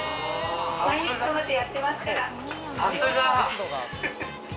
毎日トマトやってますから。